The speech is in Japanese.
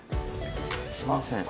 すいません。